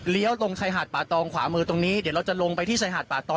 ตรงชายหาดป่าตองขวามือตรงนี้เดี๋ยวเราจะลงไปที่ชายหาดป่าตอ